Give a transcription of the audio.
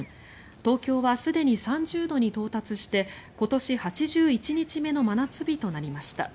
東京はすでに３０度に到達して今年８１日目の真夏日となりました。